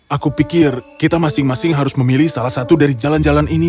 aku pikir kita masing masing harus memilih salah satu dari jalan jalan ini